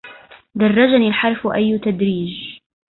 درجني الحرف أي تدريج